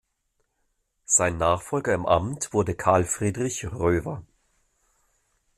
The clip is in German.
Sein Nachfolger im Amt wurde Carl Friedrich Roewer.